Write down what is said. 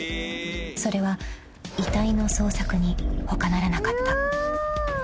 ［それは遺体の捜索にほかならなかった］